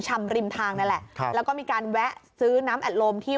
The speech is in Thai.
ชำริมทางนั่นแหละครับแล้วก็มีการแวะซื้อน้ำอัดลมที่